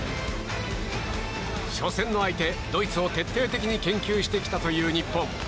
初戦の相手、ドイツを徹底的に研究してきたという日本。